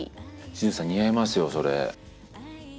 ＪＵＪＵさん似合いますよ、それ。